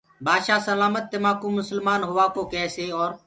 بآدشآه سلآمت تمآنٚڪو مُسلمآن هووآ ڪو ڪيسي اور